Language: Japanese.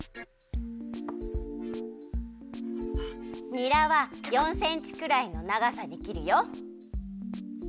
にらは４センチくらいのながさにきるよ。